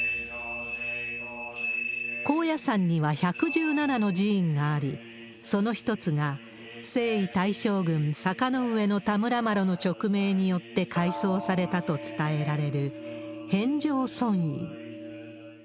高野山には１１７の寺院があり、その一つが征夷大将軍、坂上田村麻呂の勅命によって開創されたと伝えられる、遍照尊院。